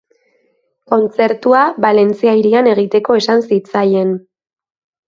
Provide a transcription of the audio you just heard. Kontzertua Valentzia hirian egiteko esan zitzaien.